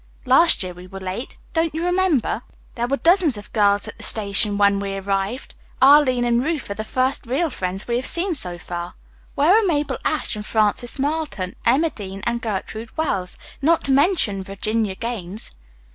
"Last year we were late. Don't you remember? There were dozens of girls at the station when we arrived. Arline and Ruth are the first real friends we have seen so far. Where are Mabel Ashe and Frances Marlton, Emma Dean and Gertrude Wells, not to mention Virginia Gaines?"